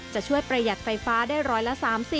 จะช่วยประหยัดไฟฟ้าได้ร้อยละ๓๐